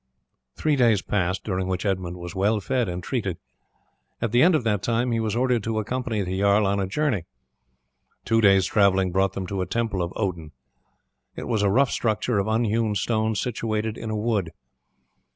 Three days passed, during which Edmund was well fed and treated. At the end of that time he was ordered to accompany the jarl on a journey. Two days' travelling brought them to a temple of Odin. It was a rough structure of unhewn stones situated in a wood.